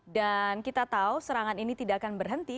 dan kita tahu serangan ini tidak akan berhenti